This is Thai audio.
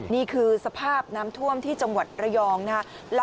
นี่คือสภาพน้ำท่วมที่จังหวัดระยองนะครับ